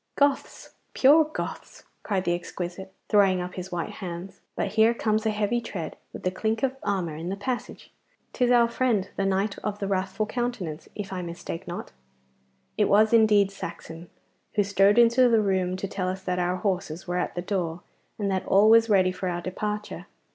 'Goths! Perfect Goths!' cried the exquisite, throwing up his white hands. 'But here comes a heavy tread and the clink of armour in the passage. 'Tis our friend the knight of the wrathful countenance, if I mistake not.' It was indeed Saxon, who strode into the room to tell us that our horses were at the door, and that all was ready for our departure.